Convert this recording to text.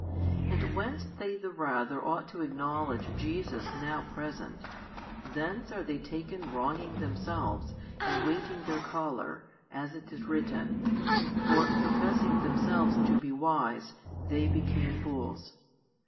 And whence they the rather ought to acknowledge Jesus now present, thence are they taken wronging themselves and weighting their collar, as it is written, for professing themselves to be wise, they became fools.